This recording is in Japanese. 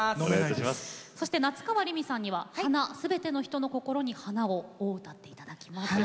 そして夏川りみさんには「花すべての人の心に花を」を歌っていただきます。